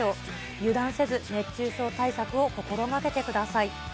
油断せず、熱中症対策を心がけてください。